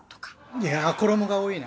いや衣が多いな。